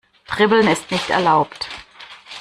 Dribbeln ist nicht erlaubt.